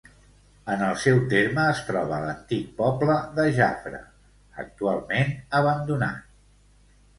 En el seu terme es troba l'antic poble de Jafre, actualment abandonat.